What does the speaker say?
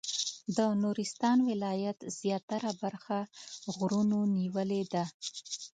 د نورستان ولایت زیاتره برخه غرونو نیولې ده.